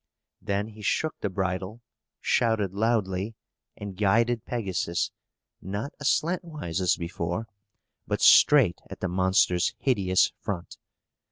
Then he shook the bridle, shouted loudly, and guided Pegasus, not aslantwise as before, but straight at the monster's hideous front.